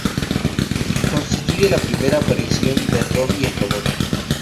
Constituye la primera aparición de Robby, el robot.